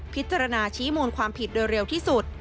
พิจารณาชี้มูลความผิดโดยเร็วที่สุด